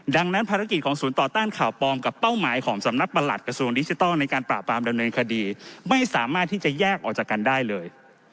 ดังนั้นภารกิจของศูนย์ต่อต้านข่าวปลอมกับเป้าหมายของสำนักประหลัดกระทรวงดิจิทัลในการปราบปรามดำเนินคดีไม่สามารถที่จะแยกออกจากกันได้เลย